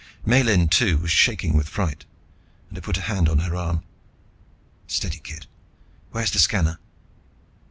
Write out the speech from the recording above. Miellyn, too, was shaking with fright, and I put a hand on her arm. "Steady, kid. Where's the scanner?"